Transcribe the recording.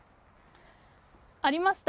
ありました。